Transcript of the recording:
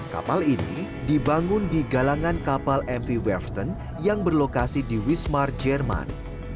kapal ini dibangun di galangan kapal mv werften yang berlokasi di wismar jerman